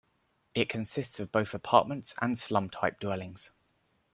It consists of both apartments and slum-type dwellings.